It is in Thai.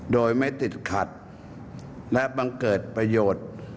โดยไม่ติดขัดและบังเกิดประโยชน์